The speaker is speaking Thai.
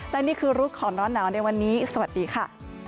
และนี่คือรู้ก่อนร้อนหนาวในวันนี้สวัสดีค่ะ